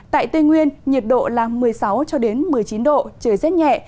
tại tây nguyên nhiệt độ là một mươi sáu một mươi chín độ trời rét nhẹ